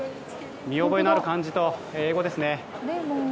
見覚えのある漢字と英語ですね。